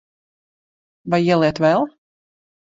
Vai ieliet vēl?